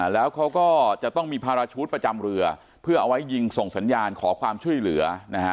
แล้วเขาก็จะต้องมีภาระชุดประจำเรือเพื่อเอาไว้ยิงส่งสัญญาณขอความช่วยเหลือนะฮะ